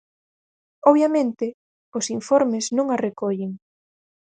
Obviamente, os informes non a recollen.